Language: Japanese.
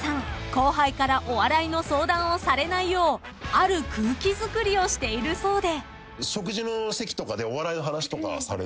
［後輩からお笑いの相談をされないようある空気づくりをしているそうで］